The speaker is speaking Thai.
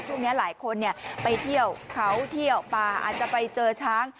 ช่วงนี้หลายคนไปเที่ยวเขาเที่ยวป่าอาจจะไปเจอช้าง